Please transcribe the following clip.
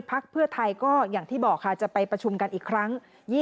พักเพื่อไทยก็อย่างที่บอกค่ะจะไปประชุมกันอีกครั้ง